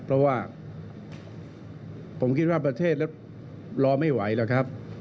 เพราะว่าผมคิดว่าประเทศแล้วรอไม่ไหวหรอกครับ